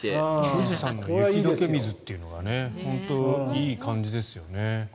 富士山の雪解け水っていうのがいい感じですよね。